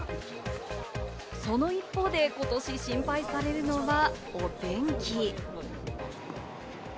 その一方で今年心配されるのがお天気。